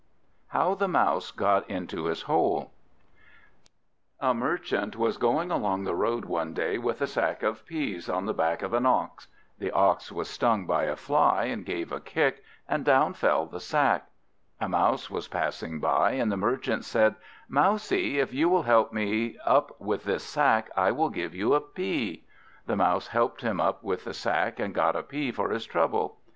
How the Mouse got into his Hole A MERCHANT was going along the road one day with a sack of peas on the back of an Ox. The Ox was stung by a Fly, and gave a kick, and down fell the sack. A Mouse was passing by, and the Merchant said, "Mousie, if you will help me up with this sack I will give you a pea." The Mouse helped him up with the sack and got a pea for his trouble.